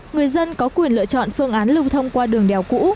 người dân có quyền lựa chọn phương án lưu thông qua đường đèo cũ